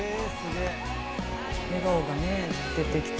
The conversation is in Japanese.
笑顔がね出てきて。